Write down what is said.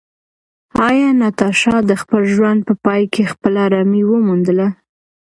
ایا ناتاشا د خپل ژوند په پای کې خپله ارامي وموندله؟